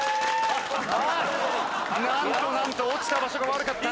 なんとなんと落ちた場所が悪かった。